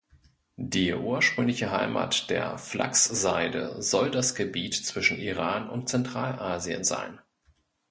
Die ursprüngliche Heimat der Flachs-Seide soll das Gebiet zwischen Iran und Zentralasien sein.